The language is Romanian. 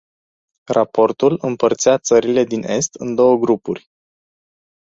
Raportul împărțea țările din est în două grupuri.